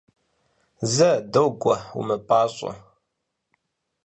Зэ, догуэ, умыпӏащӏэ!